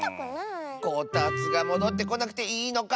こたつがもどってこなくていいのか？